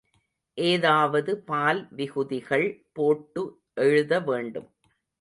அதாவது பால் விகுதிகள் போட்டு எழுதவேண்டும்.